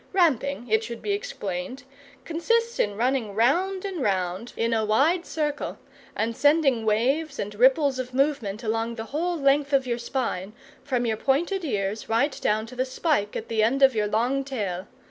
Ramping, it should be explained, consists in running round and round in a wide circle, and sending waves and ripples of movement along the whole length of your spine, from your pointed ears right down to the spike at the end of your long tail.